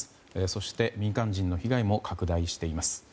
そして、民間人の被害も拡大しています。